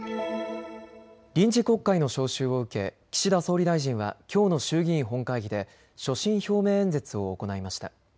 臨時国会の召集を受け岸田総理大臣はきょうの衆議院本会議で所信表明演説を行いました。